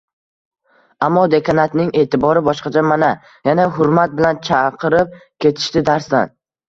Ammo dekanatning e`tibori boshqacha, mana, yana hurmat bilan chaqirib ketishdi darsdan